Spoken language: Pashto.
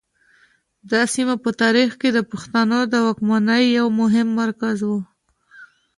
دا سیمه په تاریخ کې د پښتنو د واکمنۍ یو مهم مرکز و